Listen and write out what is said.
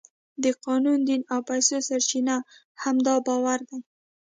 د قانون، دین او پیسو سرچینه هم دا باور دی.